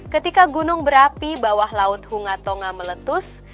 ketika gunung berapi bawah laut hungatonga meletus